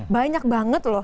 banyak banget loh